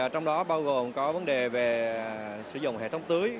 trong đó bao gồm có vấn đề về sử dụng hệ thống tưới